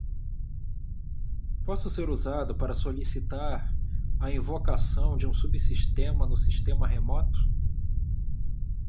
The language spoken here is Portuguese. Posso ser usado para solicitar a invocação de um subsistema no sistema remoto?